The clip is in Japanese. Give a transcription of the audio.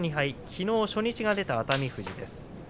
きのう初日が出た熱海富士です。